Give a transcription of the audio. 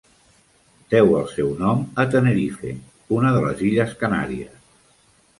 Deu el seu nom a Tenerife, una de les Illes Canàries.